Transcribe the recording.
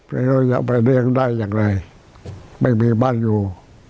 แล้วจะไปเลี้ยงได้อย่างไรไม่มีบ้านอยู่